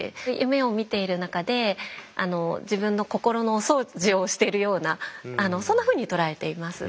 夢を見ている中で自分の心のお掃除をしてるようなそんなふうに捉えています。